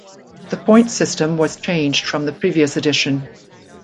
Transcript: The points system was changed from the previous edition.